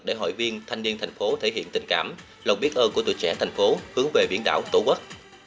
để hội viên thanh niên thành phố thể hiện tình cảm lòng biết ơn của tuổi trẻ thành phố hướng về biển đảo tổ quốc